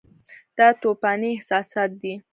دا توپاني احساسات دي.